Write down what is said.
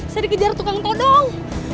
saya dikejar tukang todong